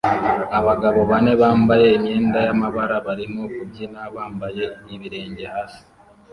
Abagabo bane bambaye imyenda y'amabara barimo kubyina bambaye ibirenge hasi